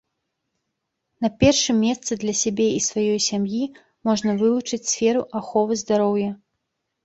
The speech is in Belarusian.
На першым месцы для сябе і сваёй сям'і можна вылучыць сферу аховы здароўя.